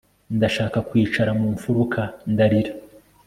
Ndashaka kwicara mu mfuruka ndarira